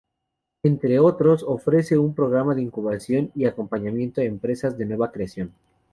Entre otros, ofrece un programa de incubación y acompañamiento a empresas de nueva creación.